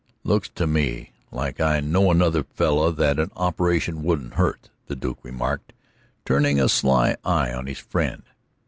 "Looks to me like I know another feller that an operation wouldn't hurt," the Duke remarked, turning a sly eye on his friend.